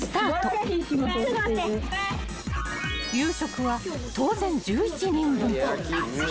［夕食は当然１１人分］